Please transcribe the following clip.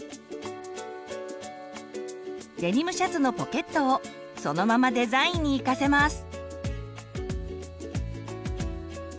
デニムシャツのポケットをそのままデザインに生かせます。